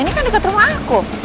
ini kan dekat rumah aku